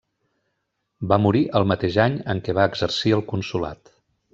Va morir el mateix any en què va exercir el consolat.